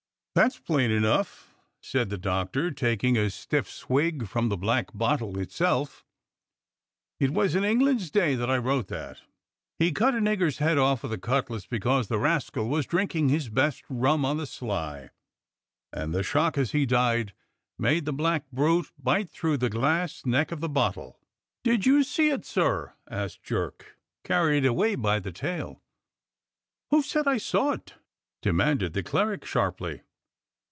'" "That's plain enough," said the Doctor, taking a stiff swig from the black bottle itself; "it was in England's day that I wrote that. He cut a nigger's head off with a cutlass because the rascal was drinking his best rum on the sly, and the shock, as he died, made the black brute bite through the glass neck of the bottle." AT THE VICARAGE 99 "Did you see it, sir?" asked Jerk, carried away by the tale. Who said I saw it? " demanded the cleric sharply.